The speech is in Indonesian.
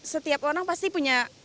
setiap orang pasti punya